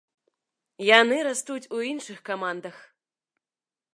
Яны растуць у іншых камандах.